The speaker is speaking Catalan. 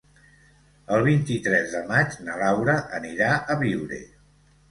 El vint-i-tres de maig na Laura anirà a Biure.